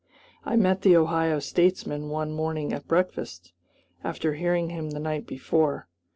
I met the Ohio statesman one morning at breakfast, after hearing him the night before.